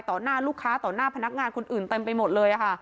หน้าลูกค้าต่อหน้าพนักงานคนอื่นเต็มไปหมดเลยค่ะ